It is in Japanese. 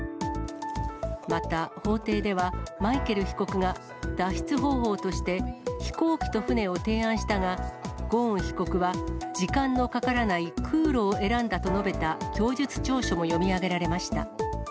また法廷では、マイケル被告が脱出方法として、飛行機と船を提案したが、ゴーン被告は時間のかからない空路を選んだと述べた供述調書も読み上げられました。